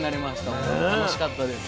ほんと楽しかったです。